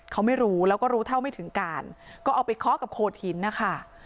เขาไม่รู้แล้วก็รู้เท่าไม่ถึงการก็เอาไปเคาะกับโขดหินนะคะ